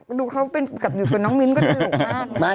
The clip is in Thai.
ก็ดูเขาเป็นกับอยู่กับน้องมิ้นก็จะหยุดมาก